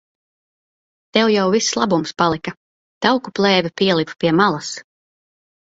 Tev jau viss labums palika. Tauku plēve pielipa pie malas.